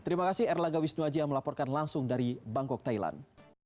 terima kasih erlangga wisnuwajia melaporkan langsung dari bangkok thailand